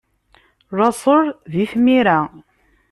Laṣel di tmira.